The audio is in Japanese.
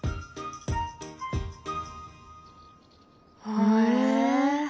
へえ。